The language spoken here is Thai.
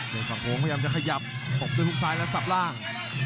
เดชน์ฝังโขงพยายามจะขยับปลบด้วยฮุกซ้ายและสับร่าง